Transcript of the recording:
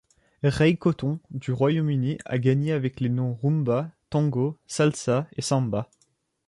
Ray Cotton du Royaume-Uni a gagné avec les noms Rumba, Tango, Salsa et Samba.